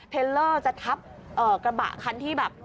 เทลเลอร์จะทับกระบะคันที่แบบ